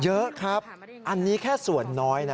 เยอะครับอันนี้แค่ส่วนน้อยนะ